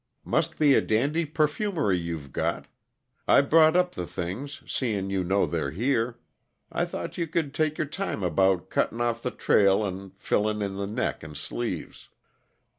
Must be a dandy perfumery you've got. I brought up the things, seein' you know they're here. I thought you could take your time about cuttin' off the trail and fillin' in the neck and sleeves."